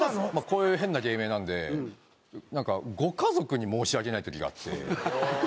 こういう変な芸名なんでなんかご家族に申し訳ない時があって。